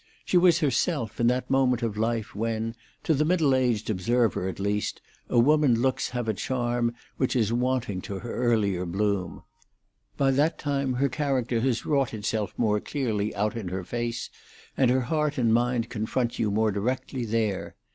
She was herself in that moment of life when, to the middle aged observer, at least, a woman's looks have a charm which is wanting to her earlier bloom. By that time her character has wrought itself more clearly out in her face, and her heart and mind confront you more directly there.